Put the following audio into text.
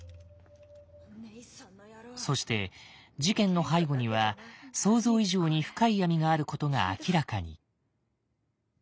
そして事件の背後には想像以上に深い闇があることが明らかに。